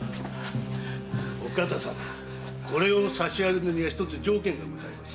お方様これを差し上げるにはひとつ条件がございます。